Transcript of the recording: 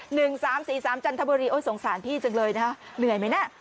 หนึ่งสามสี่สามจันทบุรีโอ้ยสงสารพี่จังเลยนะเหนื่อยไหมน่ะ